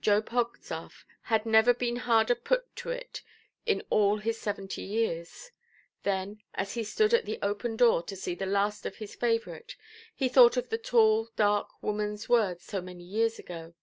Job Hogstaff had never been harder put to it in all his seventy years. Then, as he stood at the open door to see the last of his favourite, he thought of the tall, dark womanʼs words so many years ago.